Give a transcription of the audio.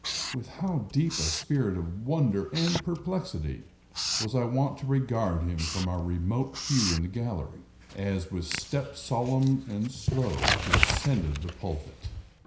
With how deep a spirit of wonder and perplexity was I wont to regard him from our remote pew in the gallery, as, with step solemn and slow, he ascended the pulpit!